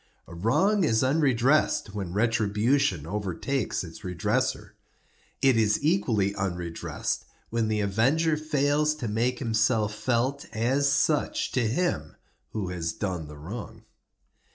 A wrong is unredressed when retribution overtakes its redresser. It is equally unredressed when the avenger fails to make himself felt as such to him who has done the wrong.